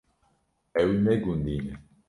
Ew ne gundî ne.